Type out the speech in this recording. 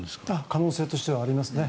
可能性としてはありますね。